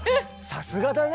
さすがだね！